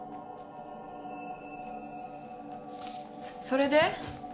それで？